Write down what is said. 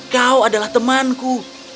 kau adalah temanku